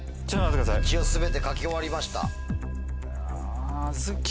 一応全て書き終わりました。